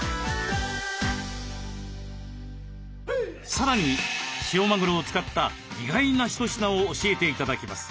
さらに塩マグロを使った意外な一品を教えて頂きます。